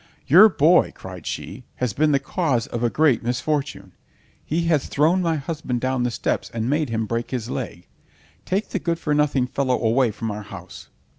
"Your boy," cried she, "has been the cause of a great misfortune! He has thrown my husband down the steps and made him break his leg. Take the good for nothing fellow away from our house."